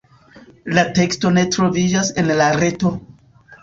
La teksto ne troviĝas en la reto.